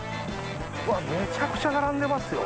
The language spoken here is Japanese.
うわっめちゃくちゃ並んでますよ。